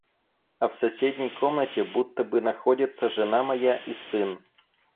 А в соседней комнате, будто бы находятся жена моя и сын.